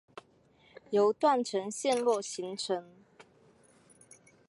由断层陷落形成。